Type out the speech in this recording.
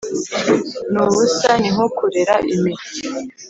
Ni ubusa ni nko kurera impiri